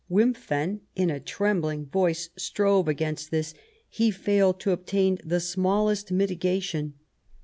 Wimpffen, in a trembling voice, [strove against this ; he failed to obtain the smallest mitigation.